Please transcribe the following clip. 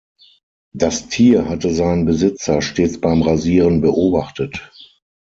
Das Tier hatte seinen Besitzer stets beim Rasieren beobachtet.